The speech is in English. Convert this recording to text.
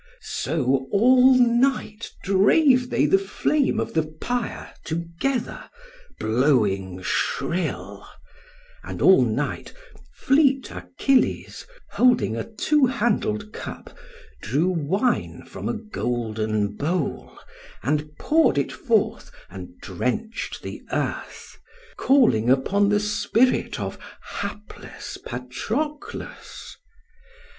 So all night drave they the flame of the pyre together, blowing shrill; and all night fleet Achilles, holding a two handled cup, drew wine from a golden bowl, and poured it forth and drenched the earth, calling upon the spirit of hapless Patroclos.